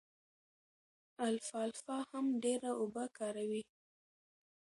الفالفا هم ډېره اوبه کاروي.